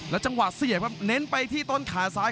และจังหวะเสียบเน้นไปที่ต้นขาซ้าย